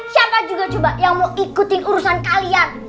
siapa juga coba yang mau ikutin urusan kalian